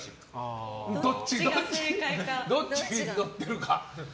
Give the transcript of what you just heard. どっちに乗ってるか。